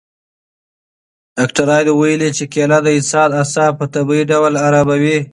ډاکټرانو ویلي چې کیله د انسان اعصاب په طبیعي ډول اراموي.